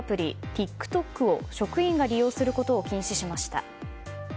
ＴｉｋＴｏｋを職員が利用することを禁止しました。